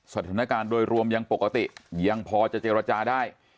สถานการณ์โดยรวมยังปกติยังพอจะเจรจาได้